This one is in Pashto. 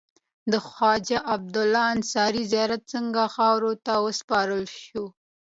د خواجه عبدالله انصاري زیارت څنګ ته خاورو ته وسپارل شو.